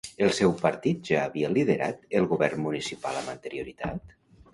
El seu partit ja havia liderat el govern municipal amb anterioritat?